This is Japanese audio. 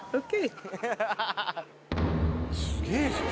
すげぇじゃん。